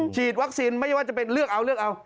ฉีดวัคซีนไม่ว่าจะเป็นเลือกเอา